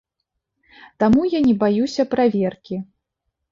Таму я не баюся праверкі.